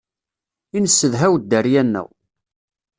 I nesedhaw dderya-nneɣ.